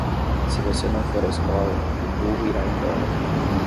Se você não for à escola, o burro irá embora.